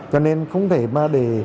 cho nên không thể mà để